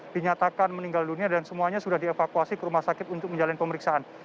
dan yang ketiga adalah pasangan suami istri yaitu sarip dan wiji